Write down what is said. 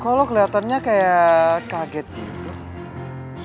kok lo kelihatannya kayak kaget gitu